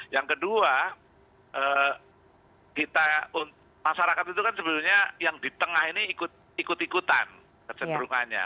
yang kedua masyarakat itu kan sebelumnya yang di tengah ini ikut ikutan keseterungannya